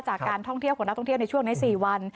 จากการท่องเที่ยวของนักท่องเที่ยวในช่วงใน๔วัน